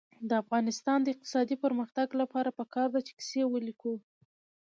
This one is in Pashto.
د افغانستان د اقتصادي پرمختګ لپاره پکار ده چې کیسې ولیکو.